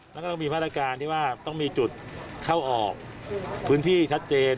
แล้วก็ต้องมีมาตรการที่ว่าต้องมีจุดเข้าออกพื้นที่ชัดเจน